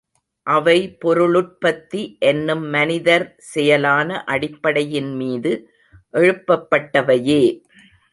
அவை பொருளுற்பத்தி என்னும் மனிதர் செயலான அடிப்படையின்மீது எழுப்பப்பட்டவையே.